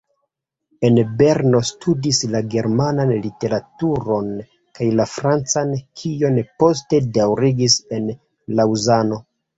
En Berno studis la germanan literaturon kaj la francan, kion poste daŭrigis en Laŭzano.